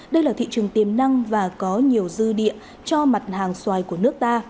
đây là thị trường tiềm năng và có nhiều dư địa cho mặt hàng xoài của nước ta